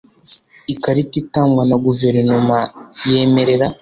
Ikarita itangwa na guverinoma yemerera